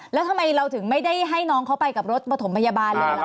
แล้วทำไมเราถึงไม่ได้ให้น้องเขาไปกับรถปฐมพยาบาลเลยล่ะ